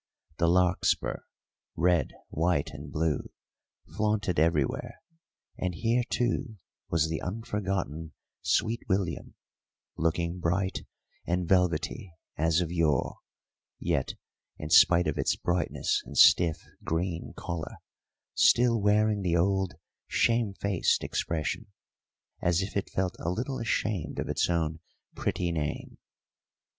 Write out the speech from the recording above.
The larkspur, red, white, and blue, flaunted everywhere; and here, too, was the unforgotten sweet william, looking bright and velvety as of yore, yet, in spite of its brightness and stiff, green collar, still wearing the old shame faced expression, as if it felt a little ashamed of its own pretty name.